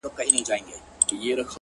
يا الله تې راته ژوندۍ ولره ـ